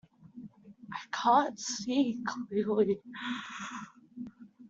I can't see clearly.